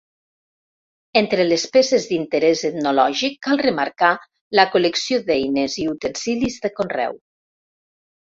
Entre les peces d'interés etnològic cal remarcar la col·lecció d'eines i utensilis de conreu.